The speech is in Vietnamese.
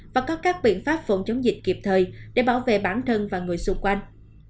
và có các biện pháp phòng chống dịch kịp thời để bảo vệ bản thân và người xung quanh